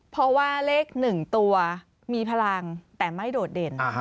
เพราะว่าเลข๑ตัวมีพลังแต่ไม่โดดเด่น